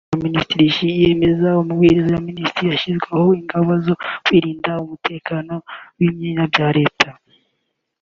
Inama y’Abaminisitiri yemeje Amabwiriza ya Minisitiri ashyiraho ingamba zo kurinda umutekano w’inyubako za Leta